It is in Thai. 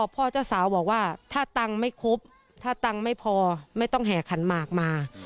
พ่อเจ้าสาวบอกว่าถ้าตังค์ไม่ครบถ้าตังค์ไม่พอไม่ต้องแห่ขันหมากมา